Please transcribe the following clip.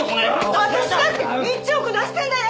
あたしだって１億出してんだよ！